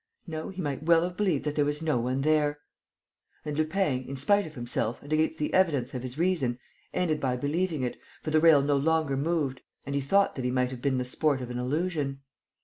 No, he might well have believed that there was no one there. And Lupin, in spite of himself and against the evidence of his reason, ended by believing it, for the rail no longer moved and he thought that he might have been the sport of an illusion.